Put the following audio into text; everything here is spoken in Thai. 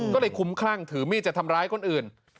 ก็เลยคุ้มคลั่งถือมีดจะทำร้ายคนอื่น